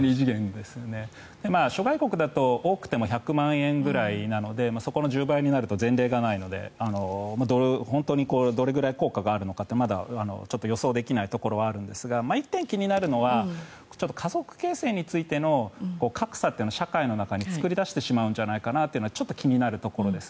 諸外国でも多くても１００万円なのでそこの１０倍となると前例がないので本当にどれくらい効果があるのかってまだ予想できないところはあるんですが、１点気になるのは家族形成についての格差を社会の中に作り出してしまうんじゃないかというのが１月になるところです。